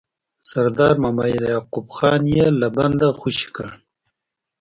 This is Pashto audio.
سردار محمد یعقوب خان یې له بنده خوشي کړ.